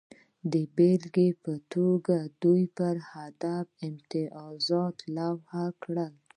د بېلګې په توګه دوی پر هدف امتیازات لغوه کړل